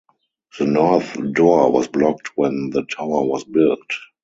The north door was blocked when the tower was built.